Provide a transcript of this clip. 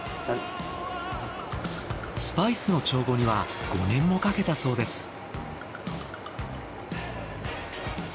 スパイスの調合には５年もかけたそうです。